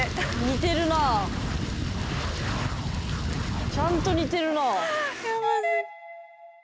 似てるなぁ。ちゃんと似てるなぁ。